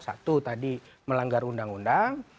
satu tadi melanggar undang undang